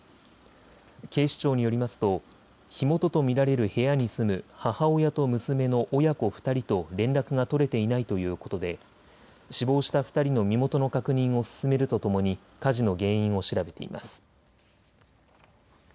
警視庁によりますと火元と見られる部屋に住む母親と娘の親子２人と連絡が取れていないということで死亡した２人の身元の確認を進めるとともに火事の原因を調べています。